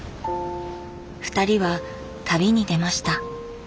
ふたりは旅に出ました。